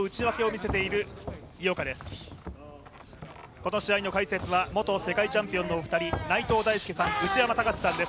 この試合の解説は元世界チャンピオンのお二人内藤大助さん、内山高志さんです